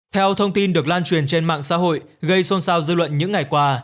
theo thông tin được lan truyền trên mạng xã hội gây xôn xao dư luận những ngày qua